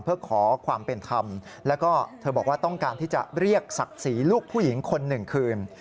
เพื่อขอความเป็นธรรมแล้วก็เธอบอกว่าต้องการที่จะเรียกศักดิ์ศรีลูกผู้หญิงคนหนึ่งคืน